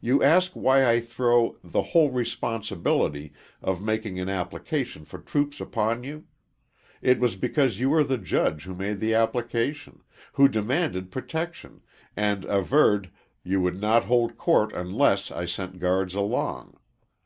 You ask why I throw "the whole responsibility" of making an application for troops upon you? It was because you were the judge who made the application; who demanded protection, and averred you would not hold court unless I sent guards along.